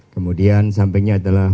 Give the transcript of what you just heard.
kemudian sampingnya adalah